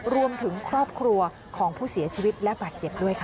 รวมถึงครอบครัวของผู้เสียชีวิตและบาดเจ็บด้วยค่ะ